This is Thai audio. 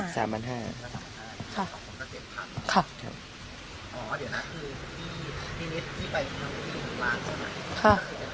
ครับครับอ๋อเดี๋ยวนะคือที่ที่ไปของร้านใช่ไหมค่ะ